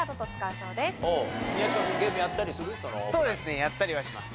そうですねやったりはします。